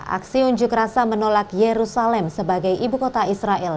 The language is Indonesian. aksi unjuk rasa menolak yerusalem sebagai ibu kota israel